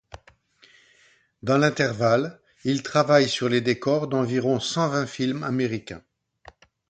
Dans l'intervalle, il travaille sur les décors d'environ cent-vingt films américains.